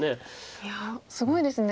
いやすごいですね。